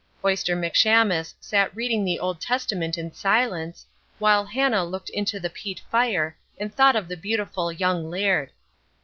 Oyster McShamus sat reading the Old Testament in silence, while Hannah looked into the peat fire and thought of the beautiful young Laird.